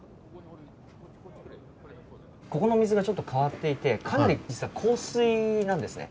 ここの水がちょっと変わっていてかなり実は硬水なんですね。